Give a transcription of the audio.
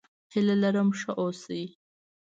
هيله لرم ښه اوسې!